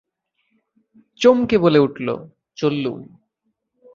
চমকে বলে উঠল, চললুম।